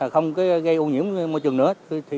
không gây ô nhiễm môi trường nữa